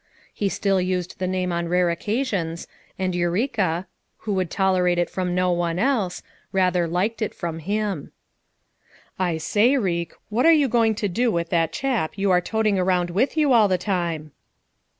He still used the name on rare occasions and Eureka, who would tolerate it from no one else, rather liked it from him. "I say, Reek, what are you going to do with that chap you are toting around with you all the time?"